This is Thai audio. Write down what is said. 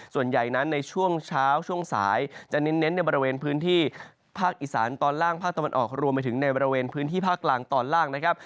ส่วนใหญ่นั้นในช่วงเช้าช่วงสายจะเน้นในบริเวณพื้นที่ภาคอีสานตอนล่างภาคตะวันออกรวมไปถึงในบริเวณพื้นที่ภาคกลางตอนล่างนะครับ